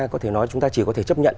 có thể nói chúng ta chỉ có thể chấp nhận